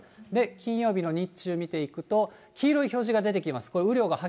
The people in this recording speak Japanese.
金曜日の日中見ていくと、黄色い表示が出てきます。